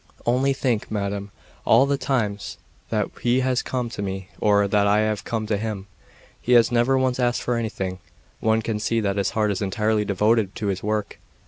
Only think, madam, all the times that he has come to me or that I have come to him, he has never once asked for anything; one can see that his heart is entirely devoted to his work.